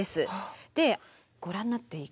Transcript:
でご覧になって。